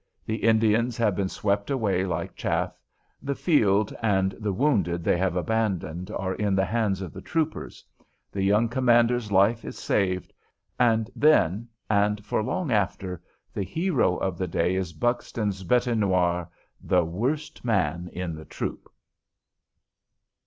The Indians have been swept away like chaff; the field and the wounded they have abandoned are in the hands of the troopers; the young commander's life is saved; and then, and for long after, the hero of the day is Buxton's bête noire, "the worst man in the troop."